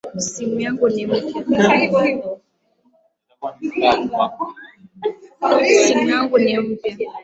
Simu yangu ni mpya.